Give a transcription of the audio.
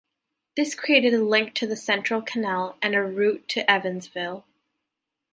This created a link to the Central Canal and a route to Evansville.